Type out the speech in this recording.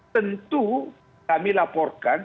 tentu kami laporkan